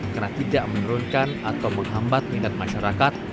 karena tidak menurunkan atau menghambat minat masyarakat